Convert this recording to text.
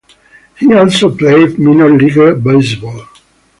He also played minor league baseball.